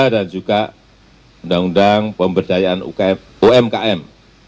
juga undang undang pemberdayaan umkm